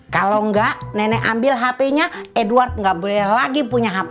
kalau enggak nenek ambil hp nya edward nggak boleh lagi punya hp